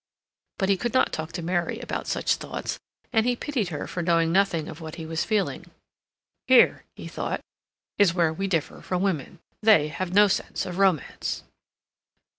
But he could not talk to Mary about such thoughts; and he pitied her for knowing nothing of what he was feeling. "Here," he thought, "is where we differ from women; they have no sense of romance."